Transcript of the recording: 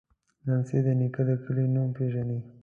لمسی د نیکه د کلي نوم پیژني.